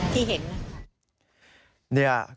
ครั้งแรกครับที่เห็น